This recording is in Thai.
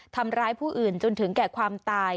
ทำร้ายผู้อื่นจนถึงแก่ความตาย